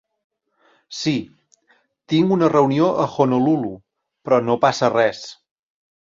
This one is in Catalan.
Sí, tinc una reunió a Honolulu, però no passa res.